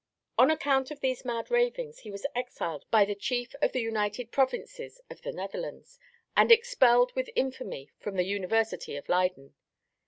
On account of these mad ravings he was exiled by the Chief of the United Provinces of the Netherlands, and expelled with infamy from the University of Leyden.